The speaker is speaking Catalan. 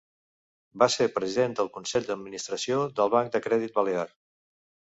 Va ser President del Consell d'Administració del Banc de Crèdit Balear.